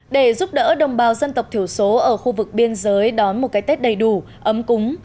để giúp đỡ đồng bào dân tộc thiểu số ở khu vực biên giới đón một cái tết đầy đủ ấm cúng